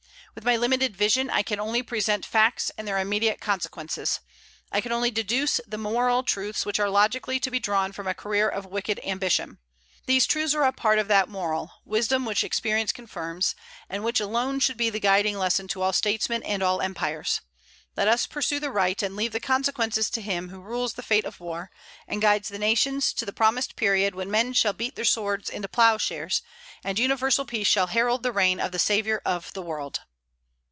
With my limited vision, I can only present facts and their immediate consequences. I can only deduce the moral truths which are logically to be drawn from a career of wicked ambition. These truths are a part of that moral, wisdom which experience confirms, and which alone should be the guiding lesson to all statesmen and all empires. Let us pursue the right, and leave the consequences to Him who rules the fate of war, and guides the nations to the promised period when men shall beat their swords into ploughshares, and universal peace shall herald the reign of the Saviour of the world.